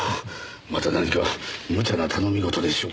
また何か無茶な頼み事でしょうか？